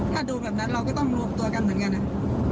ถ้าดูแบบนั้นเราก็ต้องรวมตัวกันเหมือนกันอะ